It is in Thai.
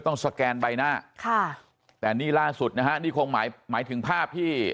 ต้องสแกนใบหน้าแต่นี่ล่าสุดนะฮะนี่คงหมายถึงภาพที่